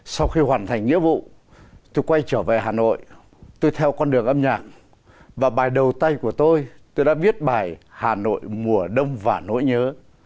sau khi hoàn thành nghĩa vụ tôi quay trở về hà nội tôi theo con đường âm nhạc và bài đầu tay của tôi tôi đã viết bài hà nội mùa đông và nỗi nhớ